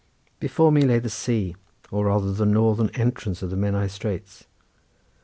Before me lay the sea or rather the northern entrance of the Menai Straits.